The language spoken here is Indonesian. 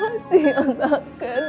hati anak ket